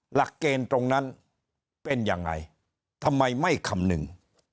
หลักเกณฑ์ตรงนั้นเป็นยังไงทำไมไม่คำนึง